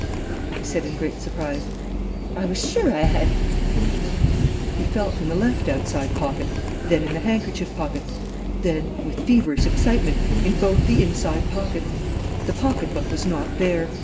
he said, in great surprise. "I was sure I had " He felt in the left outside pocket, then in the handkerchief pocket, then, with feverish excitement, in both the inside pockets. The pocket book was not there.